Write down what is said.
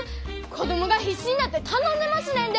子供が必死になって頼んでますねんで！